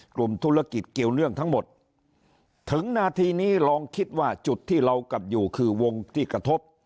กลุ่มธุรกิจเกี่ยวเนื่องทั้งหมดถึงนาทีนี้ลองคิดว่าจุดที่เรากลับอยู่คือวงที่กระทบ